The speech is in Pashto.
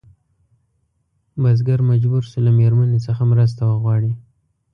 بزګر مجبور شو له مېرمنې څخه مرسته وغواړي.